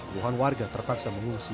luahan warga terpaksa mengungsi